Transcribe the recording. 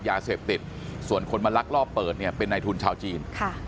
ยาเสพติดส่วนคนมาลักลอบเปิดเนี่ยเป็นในทุนชาวจีน